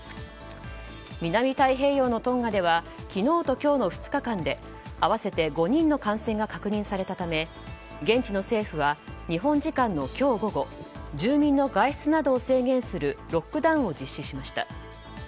南太平洋のトンガでは昨日と今日の２日間で合わせて５人の感染が確認されたため現地の政府は日本時間の今日午後住民の外出などを制限するロックダウンを実施しました。